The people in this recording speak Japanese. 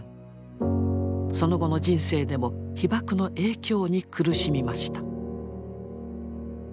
その後の人生でも被ばくの影響に苦しみました。